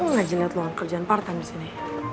oh ngajinnya luar kerjaan part time di sini